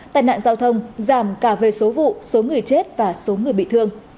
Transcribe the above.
tài nạn giao thông giảm cả về số vụ số người chết và số người bị thương